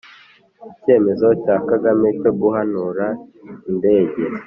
icyemezo cya kagame cyo guhanura indege